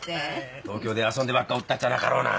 東京で遊んでばっかおったっちゃなかろうな？